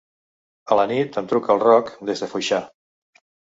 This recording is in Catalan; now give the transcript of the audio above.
A la nit em truca el Roc des de Foixà.